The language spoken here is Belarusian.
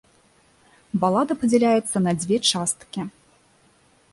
Балада падзяляецца на дзве часткі.